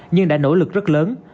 nhưng đã nỗ lực rất lớn